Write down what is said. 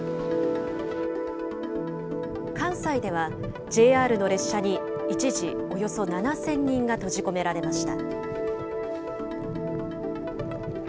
関西ではＪＲの列車に一時およそ７０００人が閉じ込められました。